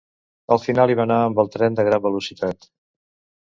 Al final hi va anar amb el tren de gran velocitat.